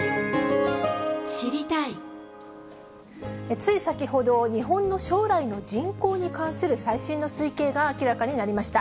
つい先ほど、日本の将来の人口に関する最新の推計が明らかになりました。